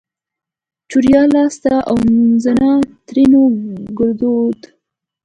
چوریا لاسته اونزنا؛ ترينو ګړدود